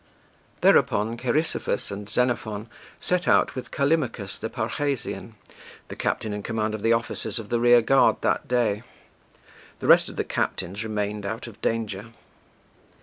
Thereupon Cheirisophus and Xenophon set out with Callimachus the Parrhasian, the captain in command of the officers of the rearguard that day; the rest of the captains remained out of danger.